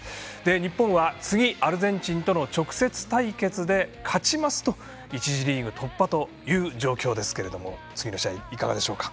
日本は、次アルゼンチンとの直接対決で勝ちますと１次リーグ突破という状況ですが次の試合、いかがでしょうか。